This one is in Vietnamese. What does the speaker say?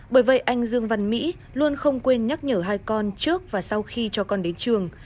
bởi vậy anh dương văn mỹ luôn không quên nhắc nhở hai con trước và sau khi cho con đến trường